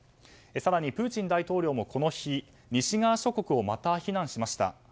更に、プーチン大統領もこの日、西側諸国をまた非難しました。